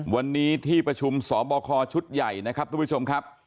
วันนี้ที่ประชุมสอบคอชุดใหญ่นะครับทุกผู้ชมครับ